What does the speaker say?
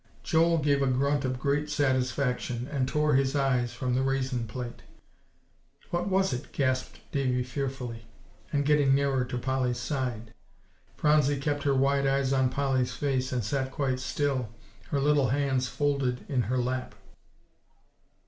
Joel gave a grunt of great satisfaction, and tore his eyes from the raisin plate. "What was it?" gasped Davie fearfully, and getting nearer to Polly's side. Phronsie kept her wide eyes on Polly's face, and sat quite still, her little hands folded in her lap.